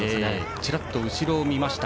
チラッと後ろを見ました。